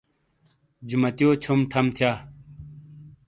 جُماتییو چھوم ٹھم تھیا۔